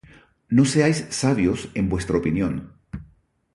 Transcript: No seáis sabios en vuestra opinión.